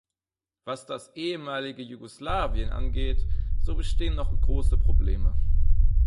Was das ehemalige Jugoslawien angeht, so bestehen noch große Probleme.